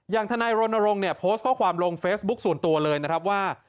ทนายรณรงค์เนี่ยโพสต์ข้อความลงเฟซบุ๊คส่วนตัวเลยนะครับว่า